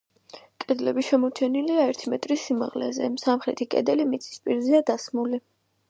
კედლები შემორჩენილია ერთი მეტრის სიმაღლეზე, სამხრეთი კედელი მიწის პირზეა დასმული.